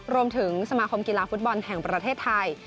รวมถึงสมาคมกีฬาฟุตบอลแห่งประเทศไทย